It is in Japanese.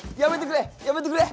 やめてくれ！